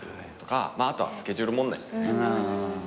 あとはスケジュール問題。